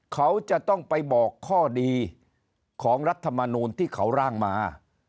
เขาจะต้องไปบอกข้อดีของรัฐมนูลที่เขาร่างมา